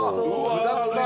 具だくさん！